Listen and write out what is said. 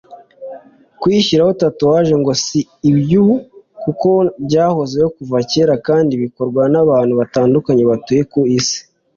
Kwishyiraho tatouage ngo si iby’ubu kuko byahozeho kuva kera kandi bikorwa n’abantu batandukanye batuye ku isi